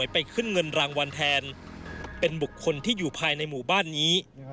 เป็นบุคคลที่อยู่ภายในหมู่บ้านนี้